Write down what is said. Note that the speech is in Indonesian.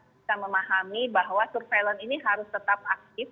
kita memahami bahwa surveillance ini harus tetap aktif